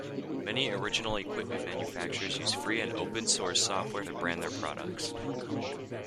Many original equipment manufacturers use free and open source software to brand their products.